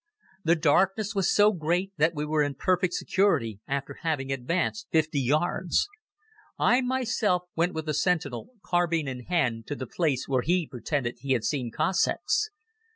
The darkness was so great that we were in perfect security after having advanced fifty yards. I myself went with the sentinel, carbine in hand, to the place where he pretended he had seen Cossacks.